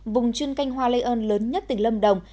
vùng chuyên canh hoa lây ơn lớn nhất tỉnh lâm đồng